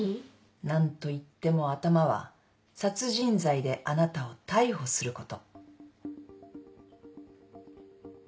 何といっても頭は殺人罪であなたを逮捕すること。